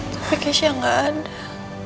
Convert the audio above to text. tapi keisha ga ada